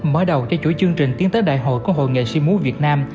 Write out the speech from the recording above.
mở đầu cho chuỗi chương trình tiến tới đại hội của hội nghệ sĩ múa việt nam